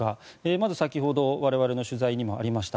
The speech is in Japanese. まず先ほど我々の取材にもありました